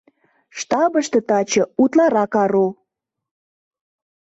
Штабыште таче утларак ару.